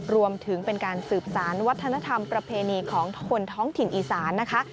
รวมถึงเป็นการสืบสารวัฒนธรรมประเพณีของคนท้องถิ่นอีสานนะคะ